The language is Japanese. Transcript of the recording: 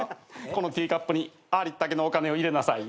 このティーカップにありったけのお金を入れなさい。